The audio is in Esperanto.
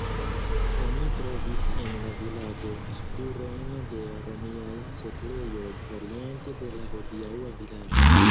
Oni trovis en la vilaĝo spurojn de romiaj setlejoj oriente de la hodiaŭa vilaĝo.